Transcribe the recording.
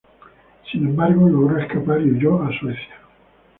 Sin embargo, logró escapar y huyó a Suecia.